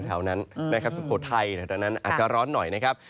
แถวนั้นนะครับสุโขทัยตอนนั้นอาจจะร้อนหน่อยนะครับ